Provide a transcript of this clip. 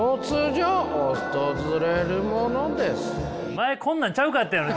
前こんなんちゃうかったよね